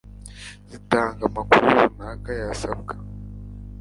Zitanga amakuru runaka yasabwa